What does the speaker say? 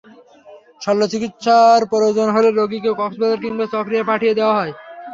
শল্য চিকিৎসার প্রয়োজন হলে রোগীকে কক্সবাজার কিংবা চকরিয়ায় পাঠিয়ে দেওয়া হয়।